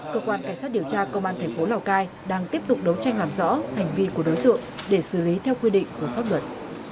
cơ quan cảnh sát điều tra công an thành phố lào cai đang tiếp tục đấu tranh làm rõ hành vi của đối tượng để xử lý theo quy định của pháp luật